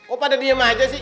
oh pada diem aja sih